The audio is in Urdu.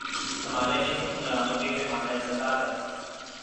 ہمارے ان حکمرانوں کے پیمانۂ صداقت۔